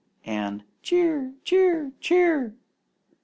and "Cheer! Cheer! Cheer!"